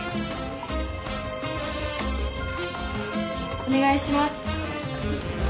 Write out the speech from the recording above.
お願いします。